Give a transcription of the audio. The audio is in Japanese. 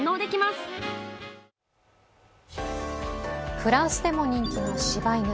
フランスでも人気のしば犬。